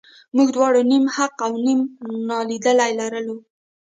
موږ دواړه نیم حق او نیم نالیدلي لرو.